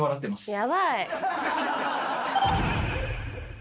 やばい。